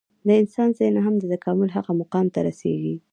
د انسان ذهن هم د تکامل هغه مقام ته رسېږي.